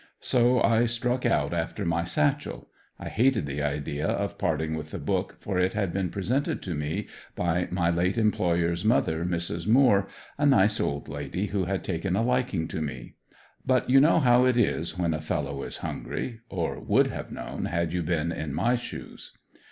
So I struck out after my satchel; I hated the idea of parting with the book for it had been presented to me by my late employer's mother Mrs. Moore, a nice old lady who had taken a liking to me. But you know how it is when a fellow is hungry, or would have known had you been in my shoes.